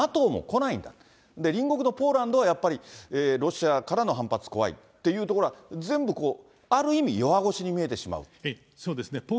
ＮＡＴＯも来ないんだと、で、隣国のポーランドはやっぱり、ロシアからの反発怖いというところは全部こうある意味弱腰に見えそうですね。